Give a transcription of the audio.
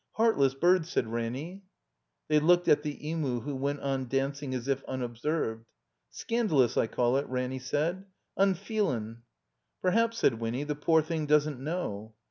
Heartless bird!" said Ranny. They looked at the Emu, who went on dancing as if tmobserved. .. "Scandalous, I call it," Ranny said. "Unfeelin*." "Perhaps," said Winny, "the poor thing doesn't know."